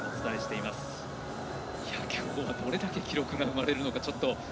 きょうはどれだけ記録が生まれるのか。